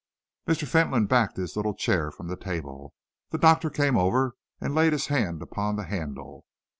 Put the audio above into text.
Mr. Fentolin backed his little chair from the table. The doctor came over and laid his hand upon the handle.